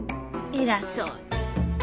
偉そうに。